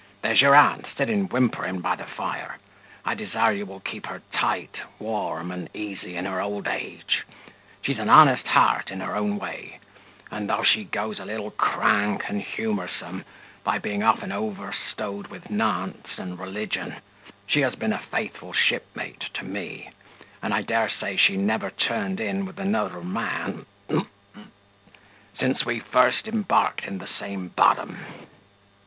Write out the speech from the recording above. There's your aunt sitting whimpering by the fire; I desire you will keep her tight, warm, and easy in her old age, she's an honest heart in her own way, and, thof she goes a little crank and humoursome, by being often overstowed with Nantz and religion, she has been a faithful shipmate to me, and I daresay she never turned in with another man since we first embarked in the same bottom.